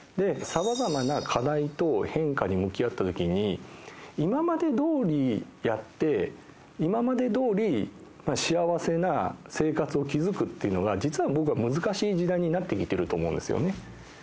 様々な課題と変化に向き合ったときに今までどおりやって今までどおり幸せな生活を築くっていうのが実は僕は難しい時代になってきてると思うんですよね。